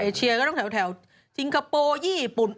เอเชียก็ต้องถ่ายแถวสิงคโปร์ญี่ปุ่น